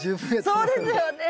そうですよね。